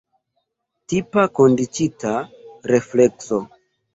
Tipa kondiĉita reflekso.